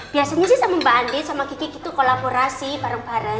biasanya sih sama mbak andis sama kiki itu kolaborasi bareng bareng